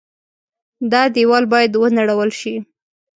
دا دېوال باید ونړول شي.